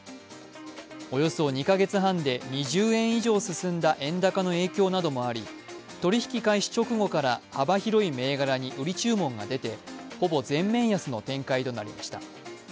およそ２か月半で２０円以上進んだ円高などの影響などもあり取引開始直後から幅広い銘柄に売り注文が出てほぼ全面安の展開となりました。